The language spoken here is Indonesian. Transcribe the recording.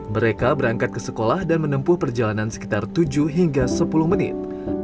mereka berangkat ke sekolah dan menempuh perjalanan sekitar tujuh hingga sepuluh menit